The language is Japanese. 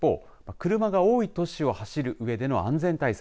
車が多い都市を走るうえでの安全対策